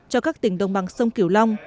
cho các tỉnh đồng bằng sông kiểu long